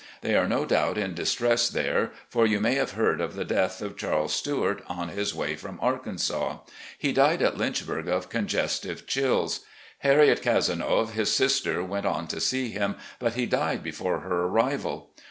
They are no doubt in distress there, for you may have heard of the death of Charles Stuart, on his way from Arkansas. He died at Lynch burg of congestive chills. Harriott Cazenove (his sister) went on to see him, but he died before her arrival.